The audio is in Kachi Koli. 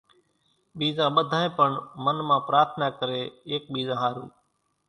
ٻيزان ٻڌانئين پڻ منَ مان پرارٿنا ڪري ايڪ ٻيزا ۿارُو